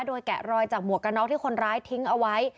โดยแกะรอยจากหมวกกระน็อกที่คนร้ายทิ้งเอาไว้